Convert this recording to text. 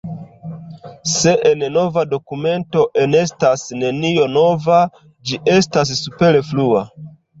Se en nova dokumento enestas nenio nova, ĝi estas superflua.